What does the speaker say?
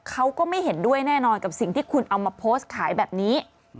เขาก็ไม่เห็นด้วยแน่นอนกับสิ่งที่คุณเอามาโพสต์ขายแบบนี้